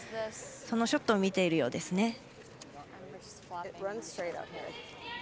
そのショットを見ているようですね。